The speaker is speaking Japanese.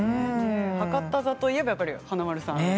博多座といえばやっぱり、華丸さん。